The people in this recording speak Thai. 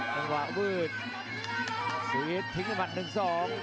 จังหวะวืดสวีททิ้งให้หมัดหนึ่งสอง